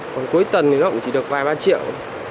còn cuối tuần thì nó rộng chỉ được vài ba triệu